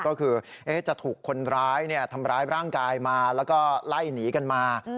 ก็คือจะถูกคนร้ายทำร้ายร่างกายมาแล้วก็ไล่หนีกันมา